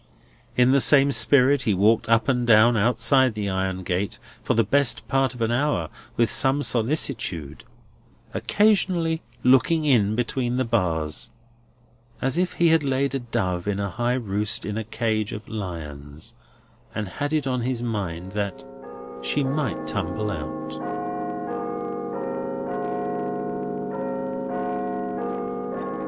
In the same spirit, he walked up and down outside the iron gate for the best part of an hour, with some solicitude; occasionally looking in between the bars, as if he had laid a dove in a high roost in a cage of lions, and had it on his mind that she might tumble out.